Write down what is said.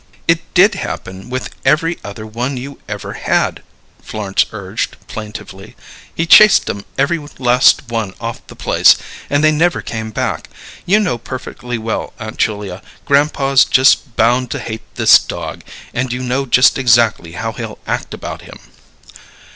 "It did happen with every other one you ever had," Florence urged plaintively. "He chased 'em every last one off the place, and they never came back. You know perfectly well, Aunt Julia, grandpa's just bound to hate this dog, and you know just exactly how he'll act about him."